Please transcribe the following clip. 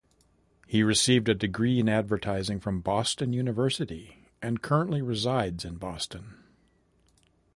He received a degree in advertising from Boston University, and currently resides in Boston.